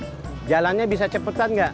bang ojek jalannya bisa cepetan engga